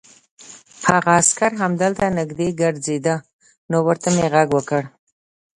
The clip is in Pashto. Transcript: هغه عسکر همدلته نږدې ګرځېد، نو ورته مې غږ وکړ.